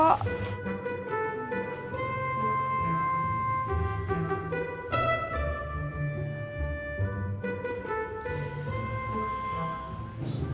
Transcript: gak ada apa apa